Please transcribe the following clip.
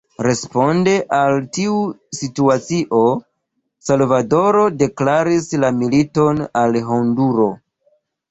Responde al tiu situacio, Salvadoro deklaris la militon al Honduro.